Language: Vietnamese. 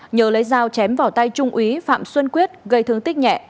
nhờ lấy dao chém vào tay trung úy phạm xuân quyết gây thương tích nhẹ